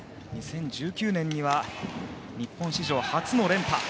２０１９年には日本史上初の連覇。